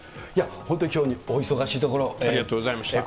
本当にきょう、お忙しいところありがとうございました。